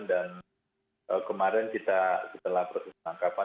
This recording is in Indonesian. dan kemarin kita telah berkesetangkapan